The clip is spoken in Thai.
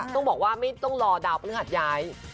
ต้องบอกว่าไม่ต้องรอดาวพฤหัสย้าย